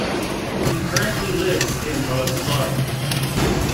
He currently lives in Roeselare.